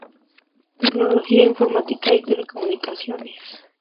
Tecnología informática y telecomunicaciones.